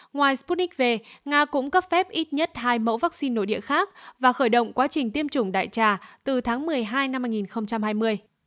ngoài sputnik v nga cũng cấp phép ít nhất hai mẫu vaccine nội địa khác và khởi động quá trình tiêm chủng đại trà từ tháng một mươi hai năm hai nghìn hai mươi